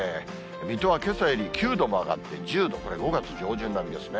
水戸はけさより９度も上がって１０度、これ、５月上旬並みですね。